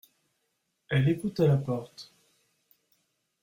Elle écoute à la porte. «…